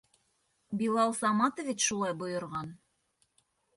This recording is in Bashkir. Билал Саматович шулай бойорған.